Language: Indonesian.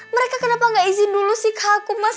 mereka kenapa nggak izin dulu sih ke aku mas